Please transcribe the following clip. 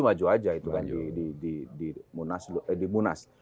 biasa saja itu kan di munas